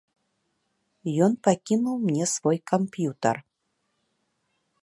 Ён пакінуў мне свой камп'ютар.